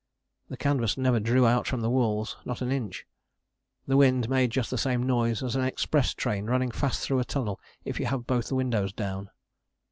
The canvas never drew out from the walls, not an inch. The wind made just the same noise as an express train running fast through a tunnel if you have both the windows down.